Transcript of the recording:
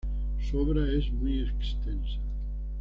Su obra es muy extensa.